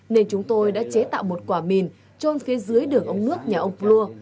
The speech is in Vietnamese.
nên chúng tôi đã chế tạo một quả mìn trôn phía dưới đường ống nước nhà ông plua